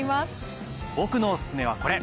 僕のおすすめはこれ！